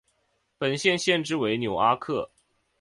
本县县治为纽柯克。